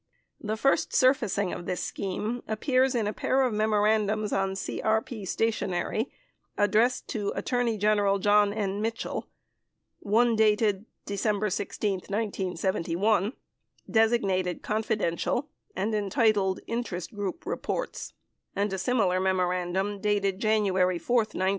The first surfacing of this scheme appears in a pair of memorandums on CRP stationery addressed to Attorney General J ohn N. Mitchell, one dated December 16, 1971, designated "Confidential" and entitled "Interest Group Reports," 33 and a similar memorandum dated January 4, 1972, from Magruder to Mitchell.